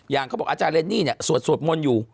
อย่างเขาบอกอาจารย์เรนนี่นี่สวดมนตร์อยู่